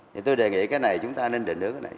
thì tôi đề nghị cái này chúng ta nên định hướng cái này